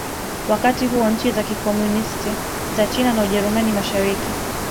Wakati huo nchi za Kikomunisti za China na Ujerumani Mashariki